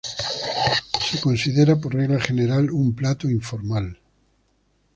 Se considera por regla general un plato informal.